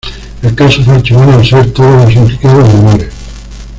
El caso fue archivado al ser todos los implicados menores.